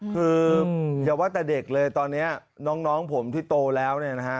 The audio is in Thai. คืออย่าว่าแต่เด็กเลยตอนนี้น้องผมที่โตแล้วเนี่ยนะฮะ